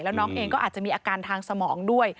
แล้วน้องเองก็อาจจะมีอาการทางสมองด้วย